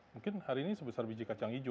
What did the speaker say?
mungkin hari ini sebesar biji kacang hijau